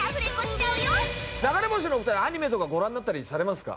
流れ星☆のお二人アニメとかご覧になったりされますか？